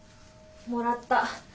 もらった。